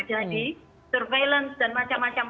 jadi surveillance dan macam macam